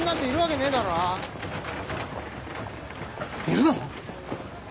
いるの！？